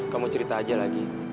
kamu cerita aja lagi